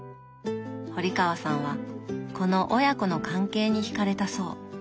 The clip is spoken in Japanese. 堀川さんはこの親子の関係にひかれたそう。